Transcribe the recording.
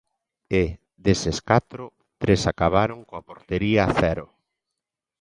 E, deses catro, tres acabaron coa portería a cero.